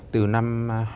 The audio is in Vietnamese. từ năm hai nghìn một mươi